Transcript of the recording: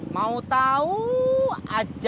mau tahu aja